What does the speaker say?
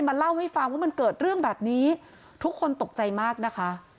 มาเล่าให้ฟังว่ามันเกิดเรื่องแบบนี้ทุกคนตกใจมากนะคะ